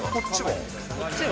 こっちは？